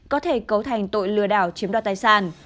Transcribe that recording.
có thể cấu thành tội lừa đảo chiếm đoạt tài sản